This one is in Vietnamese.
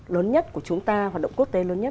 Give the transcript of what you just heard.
lớn nhất của chúng ta hoạt động quốc tế lớn nhất